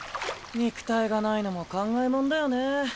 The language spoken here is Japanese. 肉体がないのも考えもんだよね。